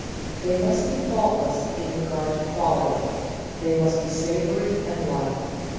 They must be faultless in regard to quality; they must be savoury and light.